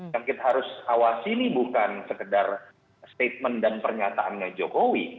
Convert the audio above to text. yang kita harus awasi ini bukan sekedar statement dan pernyataannya jokowi